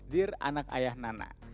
dear anak ayah nana